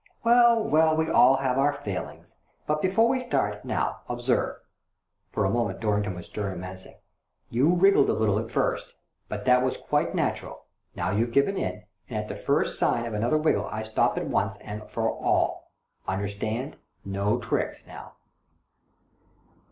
"Well, well, we all have our failings. But before we start, now, observe." For a moment Dorrington was stern and menacing. " You wriggled a little at first, but that was quite natural. Now you've given in ; and at the first sign of another wriggle I stop it once and for all. Understand? No tricks, now."